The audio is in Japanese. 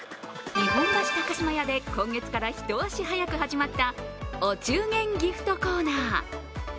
日本橋高島屋で今月から一足早く始まったお中元ギフトコーナー。